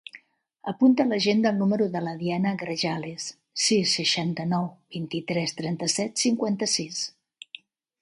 Apunta a l'agenda el número de la Diana Grajales: sis, seixanta-nou, vint-i-tres, trenta-set, cinquanta-sis.